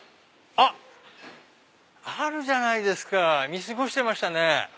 あるじゃないですか見過ごしてましたね。